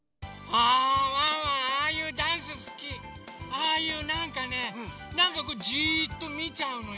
ああいうなんかねなんかこうジーッとみちゃうのよ。